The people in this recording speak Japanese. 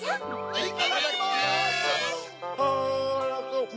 いただきます。